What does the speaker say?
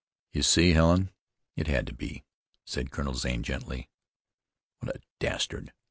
"You see, Helen, it had to be," said Colonel Zane gently. "What a dastard!